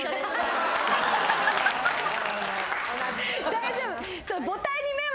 大丈夫？